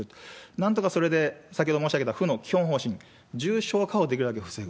なんとかそれで先ほど申し上げた府の基本方針、重症化をできるだけ防ぐ。